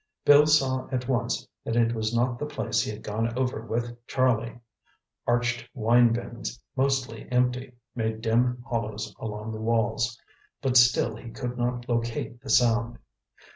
Bill saw at once that it was not the place he had gone over with Charlie. Arched wine bins, mostly empty, made dim hollows along the walls. But still he could not locate the sound.